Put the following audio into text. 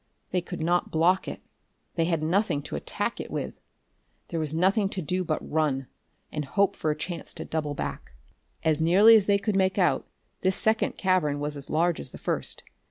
They could not block it. They had nothing to attack it with. There was nothing to do but run.... And hope for a chance to double back.... As nearly as they could make out, this second cavern was as large as the first.